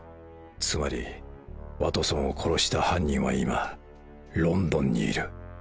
つまりワトソンを殺した犯人は今ロンドンにいる